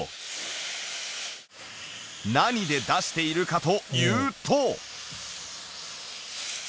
何で出しているかというと